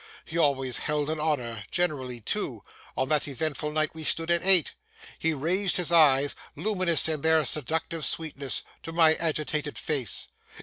He always held an honour—generally two. On that eventful night we stood at eight. He raised his eyes (luminous in their seductive sweetness) to my agitated face.